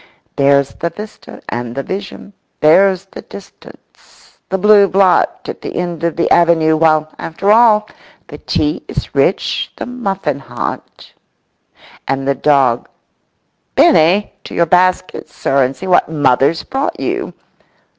… There's the vista and the vision—there's the distance—the blue blot at the end of the avenue, while, after all, the tea is rich, the muffin hot, and the dog—"Benny, to your basket, sir, and see what mother's brought you!"